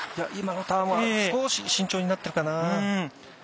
今のターンは少し慎重になったかな。